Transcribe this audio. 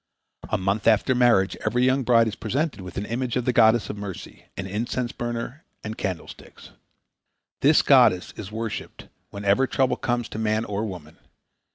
A month after marriage every young bride is presented with an image of the Goddess of Mercy, an incense burner and candlesticks. This goddess is worshipped whenever trouble comes to man or woman.